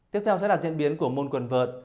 tiếp theo sẽ là diễn biến của môn quần vợt